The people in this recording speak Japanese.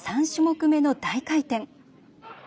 ３種目めの大回転。